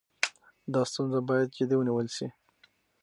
دا ستونزه باید جدي ونیول شي.